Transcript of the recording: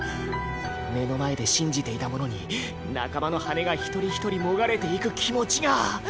目の前で信じていた者に仲間の羽が一人一人もがれていく気持ちが。